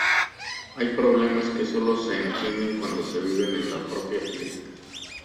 Hay problemas que solo se entienden cuando se viven en la propia piel.